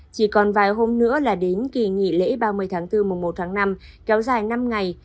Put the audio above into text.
chỉ còn vài hôm nữa là đến kỳ nghỉ lễ ba mươi tháng bốn mùa một tháng năm kéo dài năm ngày